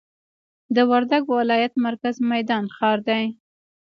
د وردګ ولایت مرکز میدان ښار دی